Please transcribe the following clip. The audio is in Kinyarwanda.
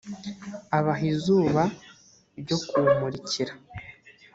abaha izuba ryo kuwumurikira